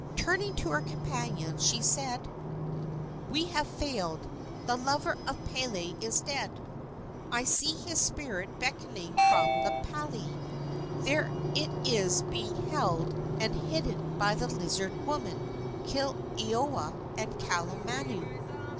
Turning to her companions, she said: "We have failed; the lover of Pele is dead! I see his spirit beckoning from the pali! There it is being held and hidden by the lizard women, Kilioa and Kalamainu."